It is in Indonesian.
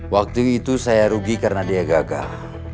waktu itu saya rugi karena dia gagal